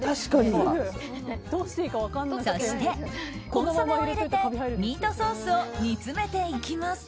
そしてコンソメを入れてミートソースを煮詰めていきます。